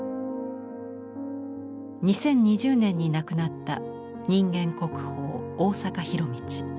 ２０２０年に亡くなった人間国宝大坂弘道。